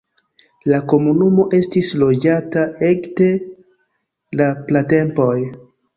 La komunumo estis loĝata ekde la pratempoj.